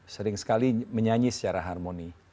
sering sekali menyanyi secara harmoni